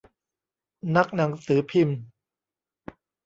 นักหนังสือพิมพ์